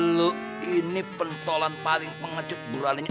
lo ini pentolan paling pengecut buran ini